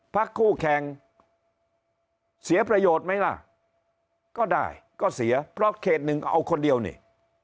พักคู่แข่งเสียประโยชน์ไหมล่ะก็ได้ก็เสียเพราะเขตหนึ่งเอาคนเดียวนี่